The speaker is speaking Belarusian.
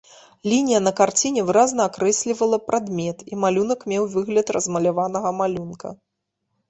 Лінія на карціне выразна акрэслівала прадмет, і малюнак меў выгляд размаляванага малюнка.